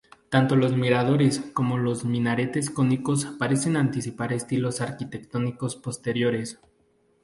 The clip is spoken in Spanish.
Tanto los miradores como los minaretes cónicos parecen anticipar estilos arquitectónicos posteriores.